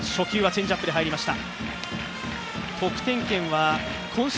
チェンジアップで入りました。